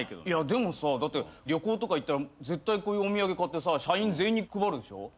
でもさだって旅行とか行ったら絶対こういうお土産買ってさ社員全員に配るでしょ？